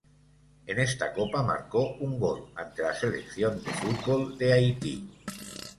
En esta copa marcó un gol ante la Selección de fútbol de Haití.